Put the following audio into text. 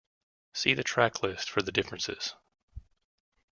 See the track list for the differences.